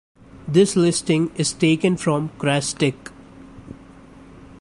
This listing is taken from Chrastek.